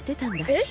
えっ！？